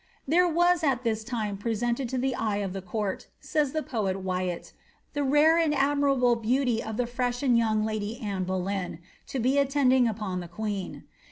'"*^ There was at this time presented to the eye of the court," says the poet Wyatt, ^ the rare and admirable beauty of the fresh and young lady Anne Boleyn, to be attending upon the queen.